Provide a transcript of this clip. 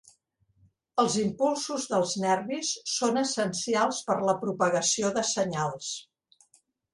Els impulsos dels nervis són essencials per la propagació de senyals.